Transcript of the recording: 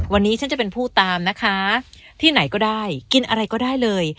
วันนี้ฉันจะเป็นผู้ตามนะคะที่ไหนก็ได้กินอะไรก็ได้เลย